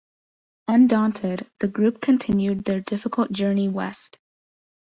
Undaunted, the group continued their difficult journey west.